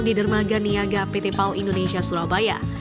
di dermaga niaga pt pal indonesia surabaya